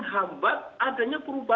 apa masalahnya purda